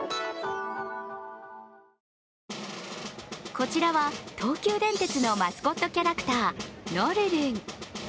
こちらは東急電鉄のマスコットキャラクター、のるるん。